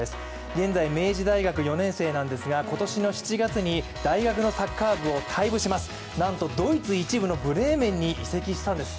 現在、明治大学４年生なんですが今年７月に大学のサッカー部を退部します、なんとドイツ１部のブレーメンに移籍したんです。